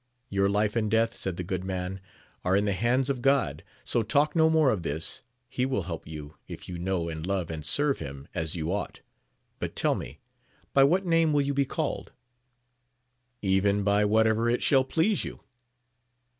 Your life and death, said the good man, are in the hands of God, so talk no more of this, he will help you if you know and love and serve him as you ought ; but tell me, by what name will you be called ?— Even by whatever it shall please you.